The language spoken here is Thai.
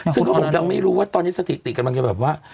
ซึ่งเขาบอกยังไม่รู้ว่าตอนนี้สถิติกำลังจะแบบว่า